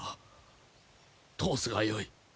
通すがよい。